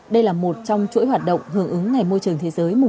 đây là một trong chuỗi hoạt động hưởng ứng ngày môi trường thế giới